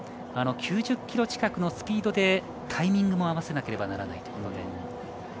９０キロ近くのスピードでタイミングも合わせなければならないということで。